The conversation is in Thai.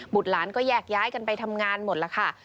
หลานก็แยกย้ายกันไปทำงานหมดแล้วค่ะ